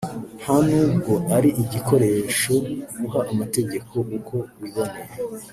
nta n’ubwo ari igikoresho uha amategeko uko wiboneye